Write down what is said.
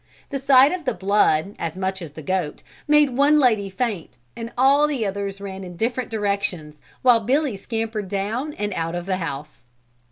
The sight of the blood as much as the goat made one lady faint and all the others ran in different directions while Billy scampered down and out of the house.